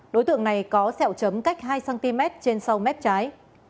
đối tượng này có sẹo chấm cách hai cm trên sau mép trái